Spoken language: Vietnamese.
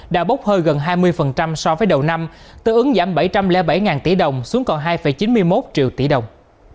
đã bốc hơi gần hai mươi so với đầu năm tư ứng giảm bảy trăm linh bảy tỷ đồng xuống còn hai chín mươi một triệu tỷ đồng